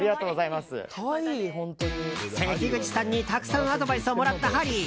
関口さんにたくさんアドバイスをもらったハリー。